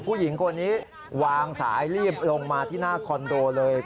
ผู้หญิงคนนี้วางสายรีบลงมาที่หน้าคอนโดเลย